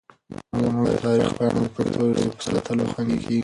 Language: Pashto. زموږ د تاریخ پاڼې د پښتو ژبې په ساتلو خوندي کېږي.